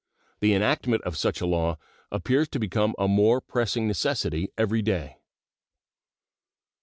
The enactment of such a law appears to become a more pressing necessity every day.